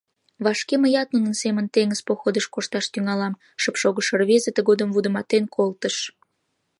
— Вашке мыят нунын семын теҥыз походыш кошташ тӱҥалам, — шып шогышо рвезе тыгодым вудыматен колтыш.